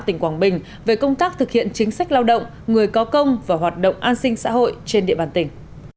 tỉnh quảng bình về công tác thực hiện chính sách lao động người có công và hoạt động an sinh xã hội trên địa bàn tỉnh